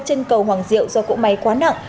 chân cầu hoàng diệu do cỗ máy quá nặng